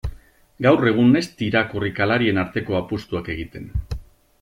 Gaur egun ez dira korrikalarien arteko apustuak egiten.